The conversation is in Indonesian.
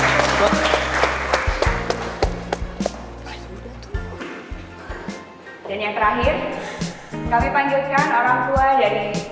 dan yang terakhir kami panjukkan orang tua dari